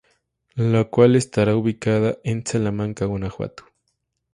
La cual estará ubicada en Salamanca, Guanajuato.